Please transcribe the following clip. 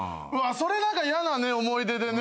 それ何か嫌な思い出でね